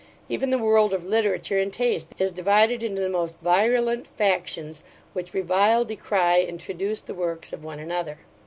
Even the world of literature and taste is divided into the most virulent factions, which revile, decry, and traduce the works of one another.